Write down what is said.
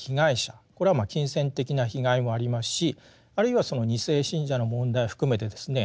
これは金銭的な被害もありますしあるいはその２世信者の問題含めてですね